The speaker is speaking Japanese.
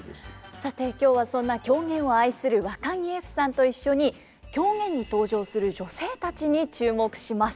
さて今日はそんな狂言を愛するわかぎゑふさんと一緒に狂言に登場する女性たちに注目します。